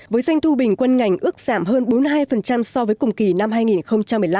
với doanh thu bình quân ngành ước giảm hơn bốn mươi hai so với cùng kỳ năm hai nghìn một mươi năm